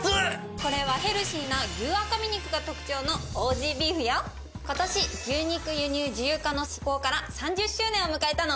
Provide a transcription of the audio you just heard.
これはヘルシーな牛赤身肉が特徴の今年牛肉輸入自由化の施行から３０周年を迎えたの。